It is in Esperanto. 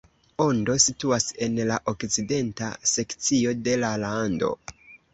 Ondo situas en la okcidenta sekcio de la lando.